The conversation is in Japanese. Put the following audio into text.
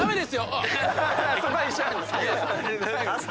そこは一緒なんだ最後。